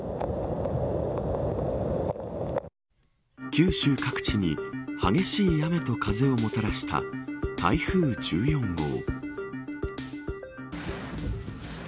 九州各地に激しい雨と風をもたらした台風１４号。